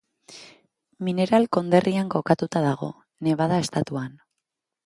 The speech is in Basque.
Mineral konderrian kokatuta dago, Nevada estatuan.